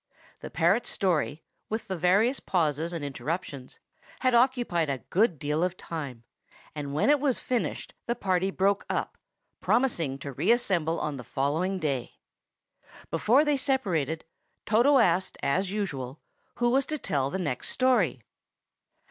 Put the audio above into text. The parrot's story, with the various pauses and interruptions, had occupied a good deal of time; and when it was finished the party broke up, promising to reassemble on the following day. Before they separated, Toto asked, as usual, who was to tell the next story.